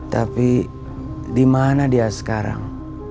tapi di mana dia sekarang